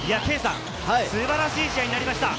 素晴らしい試合になりました。